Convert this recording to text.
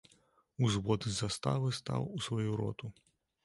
Узвод з заставы стаў у сваю роту.